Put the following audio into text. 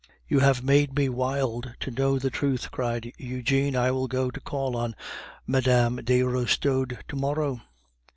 "You have made me wild to know the truth," cried Eugene; "I will go to call on Mme. de Restaud to morrow."